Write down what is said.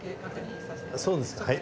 そうですか。